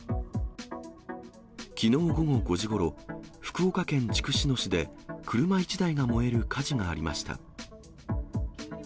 きのう午後５時ごろ、福岡県筑紫野市で車１台が燃える火事がありました。